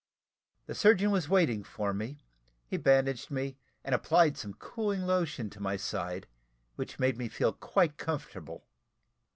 The surgeon was waiting for me; he bandaged me, and applied some cooling lotion to my side, which made me feel quite comfortable.